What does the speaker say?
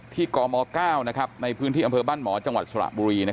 กม๙ในพื้นที่อำเภอบ้านหมอจังหวัดสระบุรี